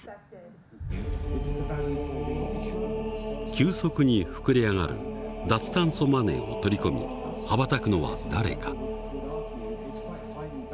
急速に膨れ上がる脱炭素マネーを取り込み羽ばたくのは誰か。